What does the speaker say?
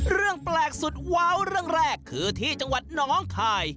เรื่องแปลกสุดว้าวเรื่องแรกคือที่จังหวัดน้องคาย